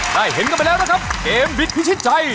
ได้เห็นกันไปแล้วนะครับเกมบิดพิชิตชัย